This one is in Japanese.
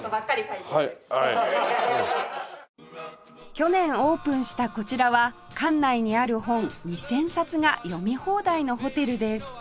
去年オープンしたこちらは館内にある本２０００冊が読み放題のホテルです